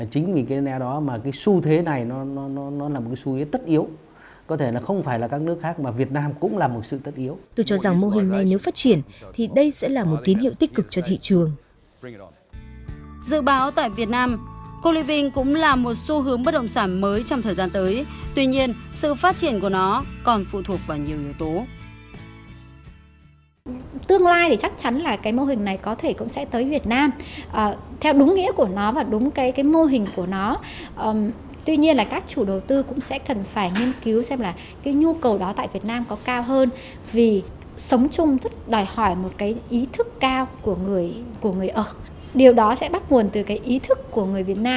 chính vì thế nên mô hình co living space vẫn là một hình thức khá là mới mẻ và cần phải có thời gian để mọi người có thể đón nhận